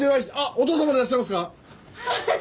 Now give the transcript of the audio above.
お父様でいらっしゃいますか？